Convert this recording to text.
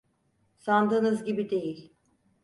Sandığınız gibi değil.